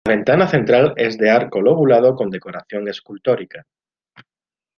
La ventana central es de arco lobulado con decoración escultórica.